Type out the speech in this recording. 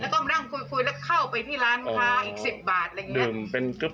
ค่ะ๑๐นาที๒๒นาทีเข้าไปเติมหลายครั้งหรือครับ